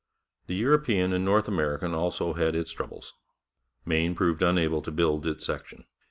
The European and North American also had its troubles. Maine proved unable to build its section.